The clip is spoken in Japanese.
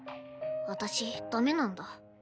私ダメなんだ。